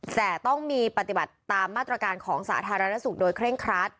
แต่ต้องมีปฏิบัติตามมาตรการของสาธารณสุขโดยเคร่งครัด